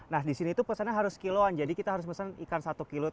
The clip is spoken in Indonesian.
nah di sini pesannya harus kiluan jadi kita harus pesan ikan satu kilo